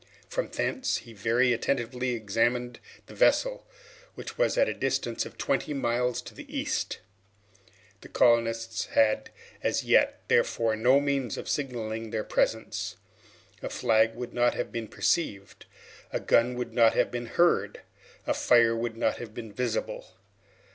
From thence he very attentively examined the vessel, which was at a distance of twenty miles to the east. The colonists had as yet, therefore, no means of signalizing their presence. A flag would not have been perceived; a gun would not have been heard; a fire would not have been visible.